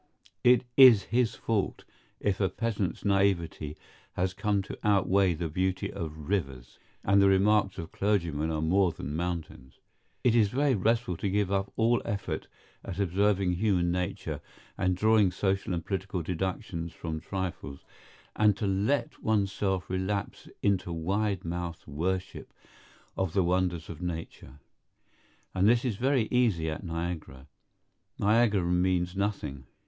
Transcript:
It is his fault if a peasant's naïveté has come to outweigh the beauty of rivers, and the remarks of clergymen are more than mountains. It is very restful to give up all effort at observing human nature and drawing social and political deductions from trifles, and to let oneself relapse into wide mouthed worship of the wonders of nature. And this is very easy at Niagara. Niagara means nothing.